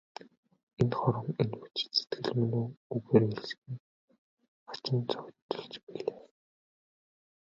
Энэ хором, энэ мөчид сэтгэл минь үгээр хэлшгүй хачин их догдолж билээ.